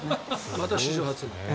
また史上初。